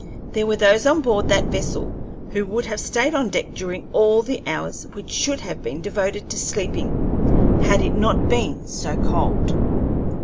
There were those on board that vessel who would have stayed on deck during all the hours which should have been devoted to sleeping, had it not been so cold.